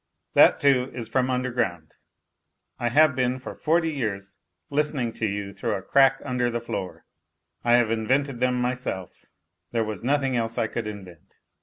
That, too, is from underground. I have been for forty years listening to you through a crack under the floor. I have invented them myself, there was nothing else I could invent.